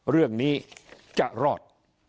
เรื่องนี้จะรอด